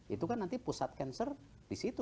itu kan nanti pusat cancer di situ